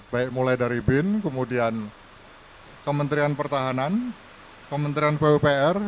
baik mulai dari bin kemudian kementerian pertahanan kementerian pupr